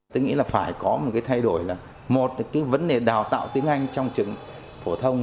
tôi nghĩ là phải có một cái thay đổi là một cái vấn đề đào tạo tiếng anh trong trường phổ thông